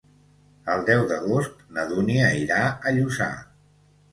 El deu d'agost na Dúnia irà a Lluçà.